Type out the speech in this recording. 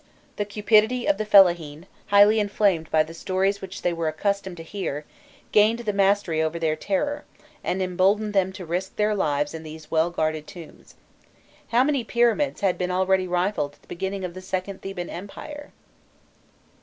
The cupidity of the fellahîn, highly inflamed by the stories which they were accustomed to hear, gained the mastery over their terror, and emboldened them to risk their lives in these well guarded tombs. How many pyramids had been already rifled at the beginning of the second Theban empire!